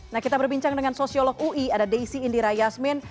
nah kita berbincang dengan sosiolog ui ada deisi indira yasmin